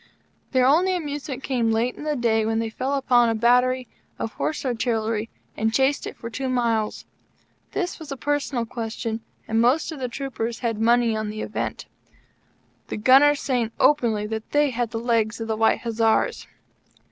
Their only amusement came late in the day, when they fell upon the battery of Horse Artillery and chased it for two mile's. This was a personal question, and most of the troopers had money on the event; the Gunners saying openly that they had the legs of the White Hussars.